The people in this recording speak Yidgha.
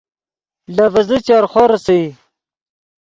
لے ڤیزے چرخو ریسئے